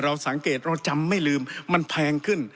สังเกตเราจำไม่ลืมมันแพงขึ้น